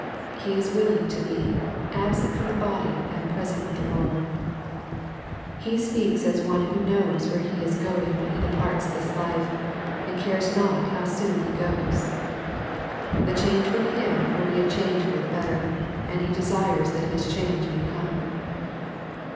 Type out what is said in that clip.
He is willing to be "absent from the body and present with the Lord." He speaks as one who knows where he is going when he departs this life, and cares not how soon he goes. The change with him will be a change for the better, and he desires that his change may come.